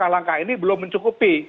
langkah ini belum mencukupi